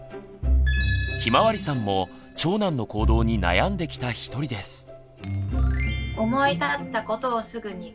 ひまわりさんも長男の行動に悩んできた一人です。